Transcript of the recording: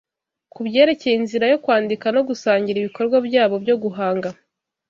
kubyerekeye inzira yo kwandika no gusangira ibikorwa byabo byo guhanga